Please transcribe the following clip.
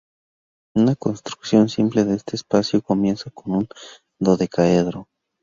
Una construcción simple de este espacio comienza con un dodecaedro.